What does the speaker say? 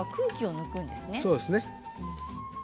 そうですね。